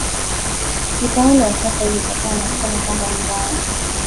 utawala wa sasa ulikataa na kusema kwamba ni mbaya